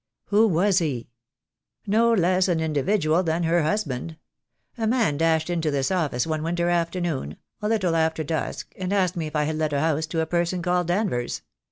"Who was he?" "No less an individual than her husband. A man dashed into this office one winter afternoon, a little after dusk, and asked me if I had let a house to a person called Danvers?